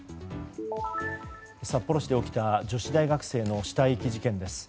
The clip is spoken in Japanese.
札幌市で起きた女子大学生の死体遺棄事件です。